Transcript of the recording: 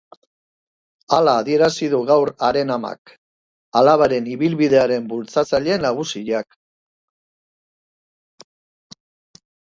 Hala adierazi du gaur haren amak, alabaren ibilbidearen bultzatzaile nagusiak.